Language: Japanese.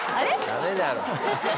ダメだろう。